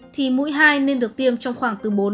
thì mũi hai nên được tiêm trong khoảng từ bốn